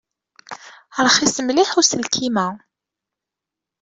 Rxis mliḥ uselkim-a.